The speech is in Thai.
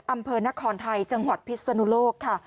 อำเภอนครไทยจังหวัดพิศนุโลกค่ะ